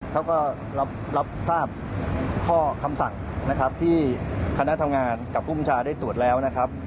เขาก็รับทราบข้อคำสั่งนะครับที่คณะทำงานกับภูมิชาได้ตรวจแล้วนะครับ